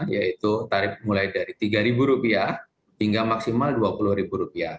yaitu tarif mulai dari rp tiga hingga maksimal rp dua puluh